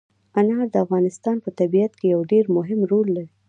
انار د افغانستان په طبیعت کې یو ډېر مهم رول لري.